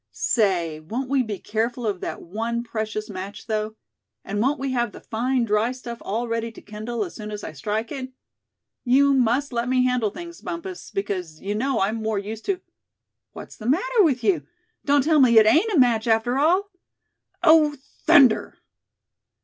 Say, won't we be careful of that one precious match, though? And won't we have the fine dry stuff all ready to kindle, as soon as I strike it. You must let me handle things, Bumpus, because, you know, I'm more used to what's the matter with you? Don't tell me it ain't a match after all? Oh! thunder!"